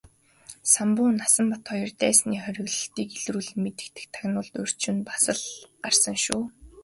Самбуу Насанбат хоёр дайсны хориглолтыг илрүүлэн мэдэх тагнуулд урьд шөнө бас л гарсан шүү.